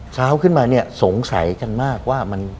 เช้าขึ้นมาสงสัยกันมากว่า